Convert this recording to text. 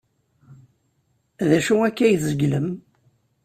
D acu akka ay tzeglem?